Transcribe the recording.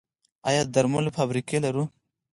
آیا د درملو فابریکې لرو؟